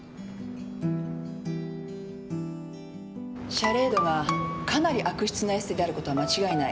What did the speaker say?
「シャレード」がかなり悪質なエステであることは間違いない。